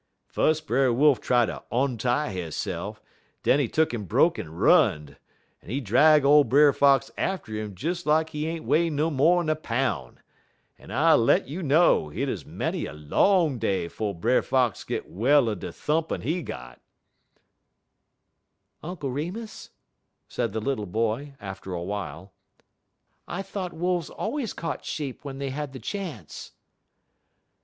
"Fus' Brer Wolf try ter ontie hisse'f, den he tuck'n broke en run'd, en he drag ole Brer Fox atter 'im des lak he ain't weigh mo'n a poun', en I let you know hit 'uz many a long day 'fo' Brer Fox git well er de thumpin' he got." "Uncle Remus," said the little boy after a while, "I thought wolves always caught sheep when they had the chance."